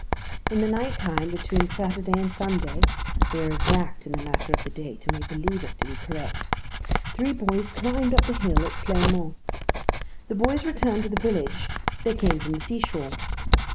In the night time between Saturday and Sunday we are exact in the matter of the date, and we believe it to be correct three boys climbed up the hill at Pleinmont. The boys returned to the village: they came from the seashore.